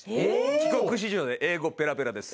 帰国子女で英語ペラペラです。